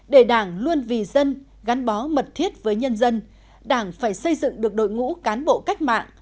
để đảng luôn vì dân gắn bó mật thiết với nhân dân đảng phải xây dựng được đội ngũ cán bộ cách mạng